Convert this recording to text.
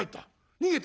「逃げた？」。